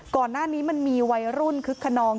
ก่อนหน้านี้มันมีวัยรุ่นคึกขนอง